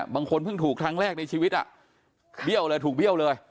บางคนเพิ่งถูกครั้งแรกในชีวิตเบี้ยวเลยถูกเบี้ยวเลย